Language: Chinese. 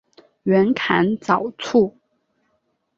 袁侃早卒。